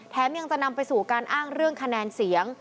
ยังจะนำไปสู่การอ้างเรื่องคะแนนเสียง